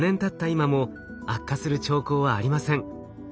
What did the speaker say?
今も悪化する兆候はありません。